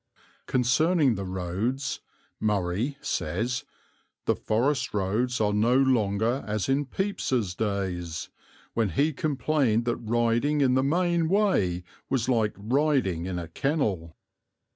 Concerning the roads, "Murray" says "the Forest Roads are no longer as in Pepys's days when he complained that riding in the main way was like 'riding in a kennel.'"